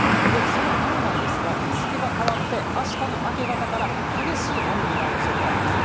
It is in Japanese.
その雨なんですが、日付が変わって、あしたの明け方から、激しい雨になるおそれがあります。